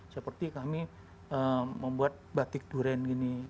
seperti kami membuat batik durian gini